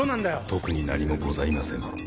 特に何もございません。